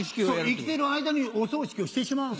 生きてる間にお葬式をしてしまう。